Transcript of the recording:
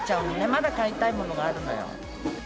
まだ買いたいものがあるのよ。